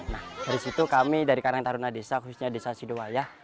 nah dari situ kami dari karang taruna desa khususnya desa sidowayah